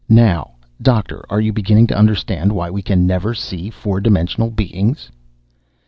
Now, Doctor, are you beginning to understand why we can never see four dimensional beings?"